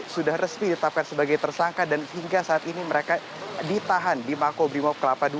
sudah resmi ditetapkan sebagai tersangka dan hingga saat ini mereka ditahan di makobrimob kelapa dua